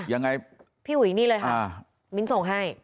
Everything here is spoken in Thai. อ่าพี่หวีนี่เลยค่ะมิ้นส่งให้